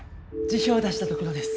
辞表出したところです。